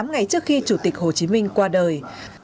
tám ngày trước khi chủ tịch hồ chí minh qua đời